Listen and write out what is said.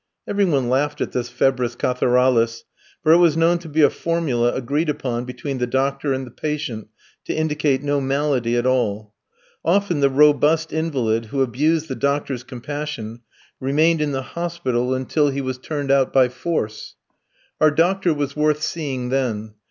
Every one laughed at this febris catharalis, for it was known to be a formula agreed upon between the doctor and the patient to indicate no malady at all. Often the robust invalid who abused the doctor's compassion remained in the hospital until he was turned out by force. Our doctor was worth seeing then.